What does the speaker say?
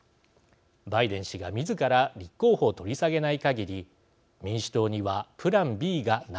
バイデン氏がみずから立候補を取り下げないかぎり民主党にはプランＢがないのです。